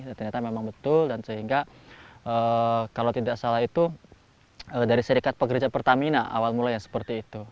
dan ternyata memang betul dan sehingga kalau tidak salah itu dari serikat pekerja pertamina awal mulai yang seperti itu